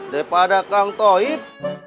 daripada kang toib